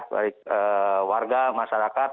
baik warga masyarakat